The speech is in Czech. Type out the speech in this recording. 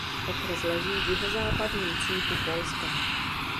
Okres leží v jihozápadním cípu Polska.